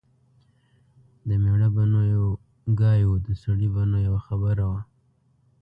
د مېړه به نو یو ګای و . د سړي به نو یوه خبره وه